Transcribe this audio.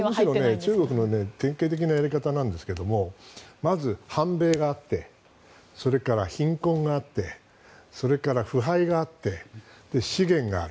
中国の典型的なやり方なんですがまず反米があってそれから貧困があってそれから腐敗があって資源がある。